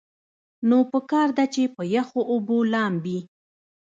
نو پکار ده چې پۀ يخو اوبو لامبي -